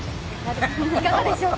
いかがでしょうか？